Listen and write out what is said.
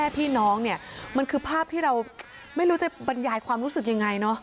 พี่น้องมีภาพที่เราไม่รู้จะบรรยายความรู้สึกยังไง